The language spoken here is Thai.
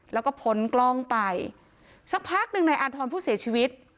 แล้วก็พ้นกล้องไปสักพักหนึ่งนายอาธรณ์ผู้เสียชีวิต